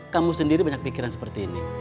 kamu sendiri banyak pikiran seperti ini